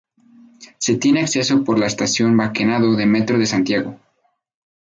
Se tiene acceso por la Estación Baquedano del Metro de Santiago.